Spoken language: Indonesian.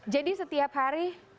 jadi setiap hari